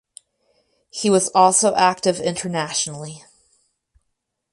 He was also active internationally.